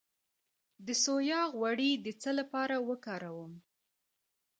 د سویا غوړي د څه لپاره وکاروم؟